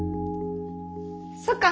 そっか。